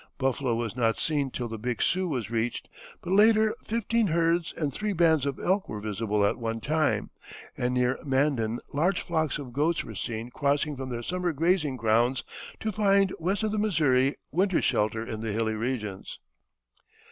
Buffalo was not seen till the Big Sioux was reached, but later fifteen herds and three bands of elk were visible at one time, and near Mandan large flocks of goats were seen crossing from their summer grazing grounds to find west of the Missouri winter shelter in the hilly regions.